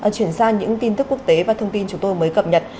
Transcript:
chuyển sang những tin tức quốc tế và thông tin chúng tôi mới cập nhật